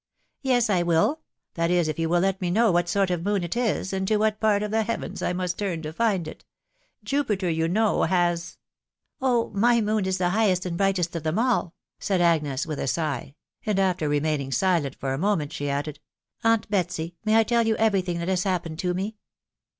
" Yes, I will .... that is, if you will let me know what sort of moon it is, and to what part of the heavens I must turn to find it. Jupiter, you know, has ....'*" Oh ! my moon is the highest and brightest of them all !...." said Agnes, with a sigh^ and, after remaining silent for a moment, she added, .... u Aunt Betsy, may I tell you every thing that has happened to me